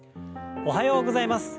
おはようございます。